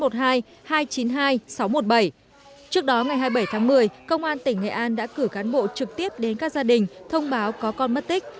trước đó ngày hai mươi bảy tháng một mươi công an tỉnh nghệ an đã cử cán bộ trực tiếp đến các gia đình thông báo có con mất tích